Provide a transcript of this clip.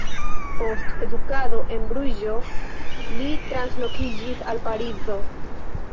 Post edukado en Bruĝo, li translokiĝis al Parizo.